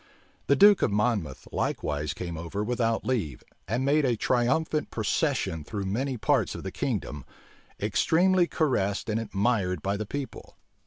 The duke of Monmouth likewise came over without leave, and made a triumphant procession through many parts of the kingdom, extremely caressed and admired by the people.